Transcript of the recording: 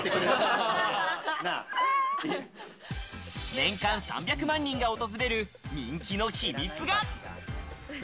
年間３００万人が訪れる人気の秘密が。